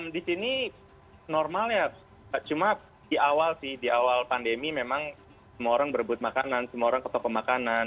di sini normalnya cuma di awal sih di awal pandemi memang semua orang berebut makanan semua orang ke toko pemakanan